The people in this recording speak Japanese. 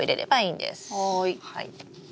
はい。